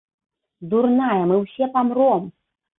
Дурная, мы ўсе памром!